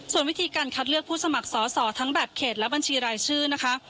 ส่วนวิธีการคัดเลือกผู้สมัครสอสอทั้งแบบเขตและบัญชีรายชื่อนะคะ